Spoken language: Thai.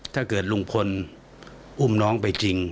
ถ้าเกิดลุงพลอุ้มน้องไปจริง